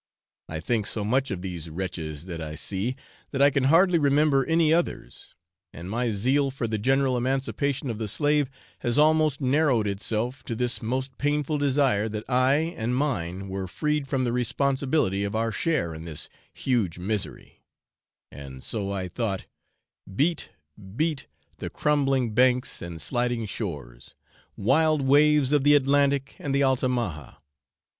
I think so much of these wretches that I see, that I can hardly remember any others, and my zeal for the general emancipation of the slave, has almost narrowed itself to this most painful desire that I and mine were freed from the responsibility of our share in this huge misery, and so I thought: 'Beat, beat, the crumbling banks and sliding shores, wild waves of the Atlantic and the Altamaha!